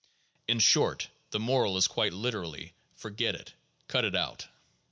In short, the moral is quite literally, "Forget it," "Cut it out."